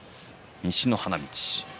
西の花道。